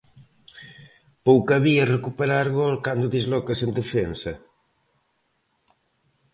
Pouco avía recuperar gol cando dislocas en defensa.